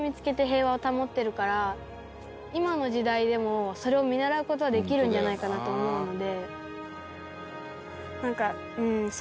今の時代でもそれを見習う事はできるんじゃないかなと思うので。